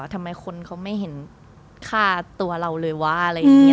ทำไมคนเขาไม่เห็นค่าตัวเราเลยว่า